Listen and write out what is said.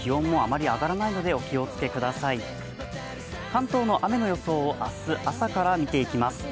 関東の雨の予想を明日朝から見ていきます。